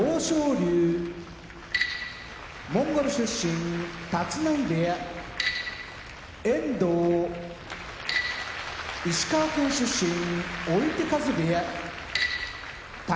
龍モンゴル出身立浪部屋遠藤石川県出身追手風部屋宝